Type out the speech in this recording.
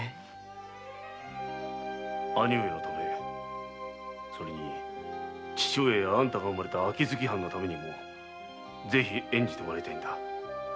兄上のためまた父上やあんたが生まれた秋月藩のためにもぜひ演じてもらいたいのだ。